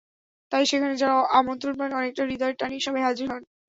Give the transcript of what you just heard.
তাই সেখানে যাঁরা আমন্ত্রণ পান, অনেকটা হৃদয়ের টানেই সবাই হাজির হন।